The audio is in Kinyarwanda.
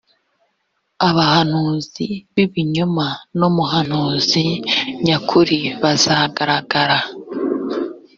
abahanuzi b’ibinyoma n’umuhanuzi nyakuri bazagaragara